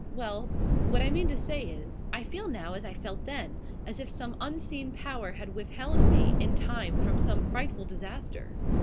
Well, what I mean to say is, I feel now as I felt then as if some unseen power had withheld me in time from some frightful disaster."